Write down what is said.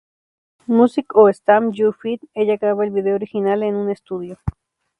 Music" o "Stamp your feet" ella graba el video original en un estudio.